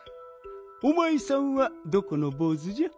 おまいさんはどこのぼうずじゃ？